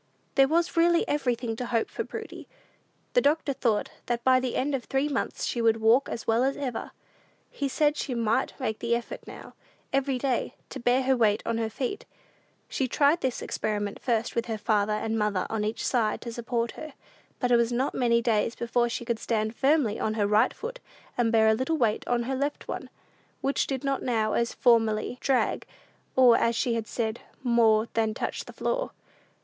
There was really everything to hope for Prudy. The doctor thought that by the end of three months she would walk as well as ever. He said she might make the effort now, every day, to bear her weight on her feet. She tried this experiment first with her father and mother on each side to support her; but it was not many days before she could stand firmly on her right foot, and bear a little weight on her left one, which did not now, as formerly, drag, or, as she had said, "more than touch the floor."